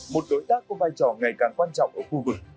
một đối tác có vai trò ngày càng quan trọng ở khu vực